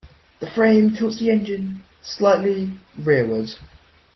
The frame tilts the engine slightly rearward.